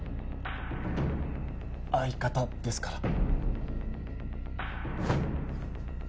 相方ですから。